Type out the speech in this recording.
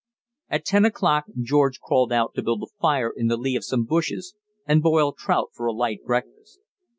At ten o'clock George crawled out to build a fire in the lee of some bushes and boil trout for a light breakfast.